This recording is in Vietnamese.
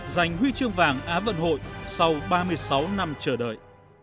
giành huy chương vàng á vận hội sau ba mươi sáu năm chờ đợi